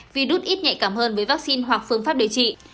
virus ít nhạy cảm hơn với vaccine hoặc phương pháp điều trị